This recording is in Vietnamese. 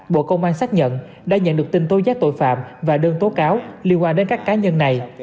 bộ công an xác nhận đã nhận được tin tố giác tội phạm và đơn tố cáo liên quan đến các cá nhân này